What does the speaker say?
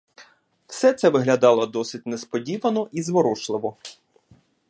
Все це виглядало досить несподівано і зворушливо.